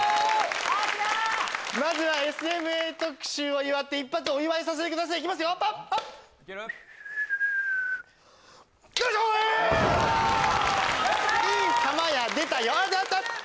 まずはＳＭＡ特集を祝って一発お祝いさせてくださいいきますよよいしょいいたまやでたよ